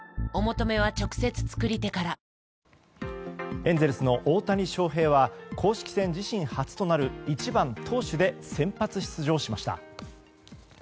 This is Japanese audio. エンゼルスの大谷翔平は公式戦自身初となる１番投手で先発出場しました。